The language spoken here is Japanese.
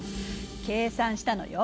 計算したのよ。